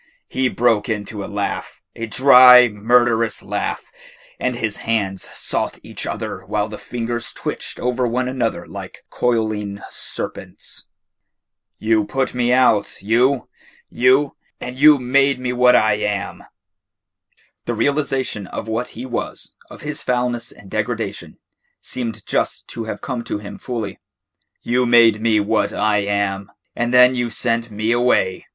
He broke into a laugh, a dry, murderous laugh, and his hands sought each other while the fingers twitched over one another like coiling serpents. "You put me out you you, and you made me what I am." The realisation of what he was, of his foulness and degradation, seemed just to have come to him fully. "You made me what I am, and then you sent me away.